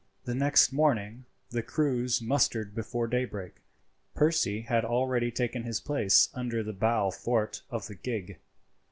The next morning the crews mustered before daybreak. Percy had already taken his place under the bow thwart of the gig.